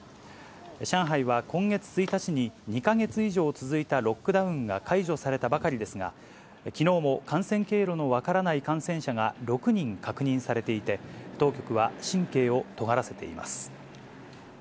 上海は今月１日に２か月以上続いたロックダウンが解除されたばかりですが、きのうも感染経路の分からない感染者が６人確認されていて、当局は神経をとがらせています。